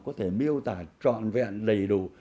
có thể miêu tả trọn vẹn đầy đủ